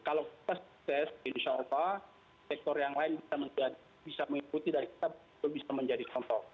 kalau kita sukses insya allah sektor yang lain bisa mengikuti dan kita bisa menjadi contoh